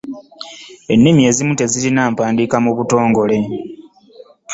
Ennimi ezimu tezirina mpandiika ntongole